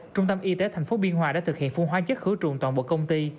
trung tâm y tế tp biên hòa đã thực hiện phun hoá chất khứa trùn toàn bộ công ty